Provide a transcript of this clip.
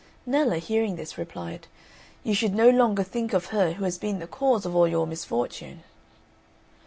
Nella, hearing this, replied, "You should no longer think of her who has been the cause of all your misfortune."